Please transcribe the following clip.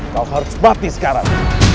kau harus mati sekarang